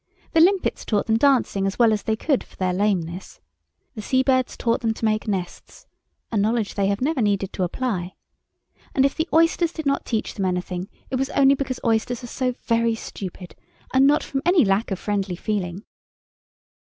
The limpets taught them dancing as well as they could for their lameness. The sea birds taught them to make nests—a knowledge they have never needed to apply—and if the oysters did not teach them anything it was only because oysters are so very stupid, and not from any lack of friendly feeling.